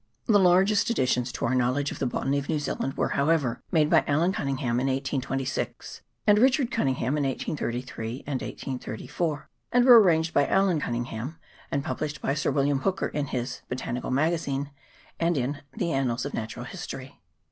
The largest additions to our knowledge of the botany of New Zealand were, however, made by Allan Cunningham in 1826, and Richard Cunningham in 1833 and 1834, and were arranged by Allan Cunningham, and published by Sir William Hooker in his ' Botanical Magazine ' and in ' The Annals of Natural History.'